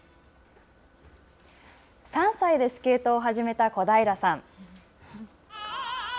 ３歳でスケートを始めた小平さん。